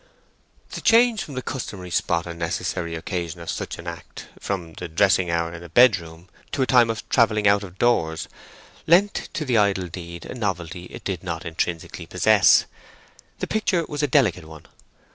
The change from the customary spot and necessary occasion of such an act—from the dressing hour in a bedroom to a time of travelling out of doors—lent to the idle deed a novelty it did not intrinsically possess. The picture was a delicate one.